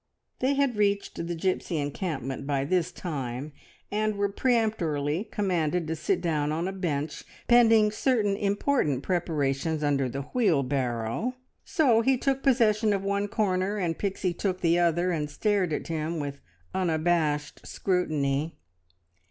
They had reached the gipsy encampment by this time, and were peremptorily commanded to sit down on a bench pending certain important preparations under the wheel barrow; so he took possession of one corner, and Pixie took the other and stared at him with unabashed scrutiny.